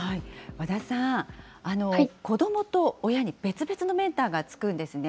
和田さん、子どもと親に別々のメンターがつくんですね。